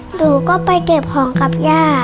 หนูก็ไปเก็บของกับย่า